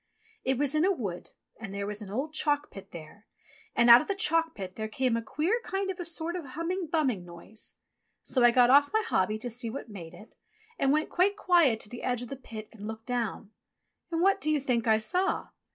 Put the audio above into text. It was in a wood, and there was an old chalk pit there, and out of the chalk pit there came a queer kind of a sort of a humming, bumming noise. So I got off my hobby to see what made it, and went quite quiet to the edge of the pit and looked down. And what do you think I saw